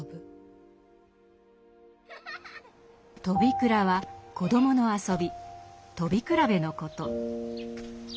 「とびくら」は子どもの遊びとびくらべのこと。